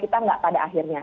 kita tidak pada akhirnya